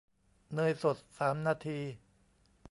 เนยสดสามนาที